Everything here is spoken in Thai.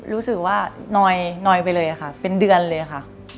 รู้สึกว่าน้อยไปเลยค่ะเป็นเดือนเลยค่ะ